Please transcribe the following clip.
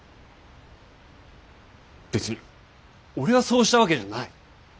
別に俺がそうしたわけじゃない。